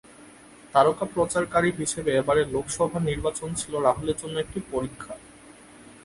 তারকা প্রচারকারী হিসেবে এবারের লোকসভা নির্বাচন ছিল রাহুলের জন্য একটি পরীক্ষা।